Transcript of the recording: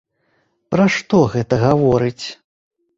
Пра што гэта гаворыць?